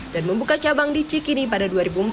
dan membuka cabang di cikini pada dua ribu empat